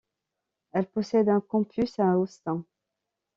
Elle possède un campus à Austin.